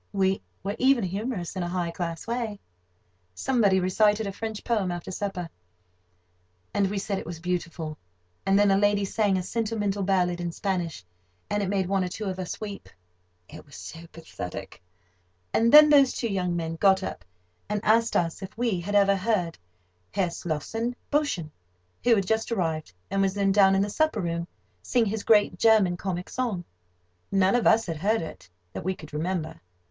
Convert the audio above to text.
We were even humorous—in a high class way. Somebody recited a French poem after supper, and we said it was beautiful; and then a lady sang a sentimental ballad in Spanish, and it made one or two of us weep—it was so pathetic. And then those two young men got up, and asked us if we had ever heard Herr Slossenn Boschen (who had just arrived, and was then down in the supper room) sing his great German comic song. None of us had heard it, that we could remember.